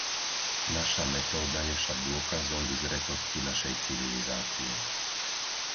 Naša metóda je však dôkazom vyzretosti našej civilizácie.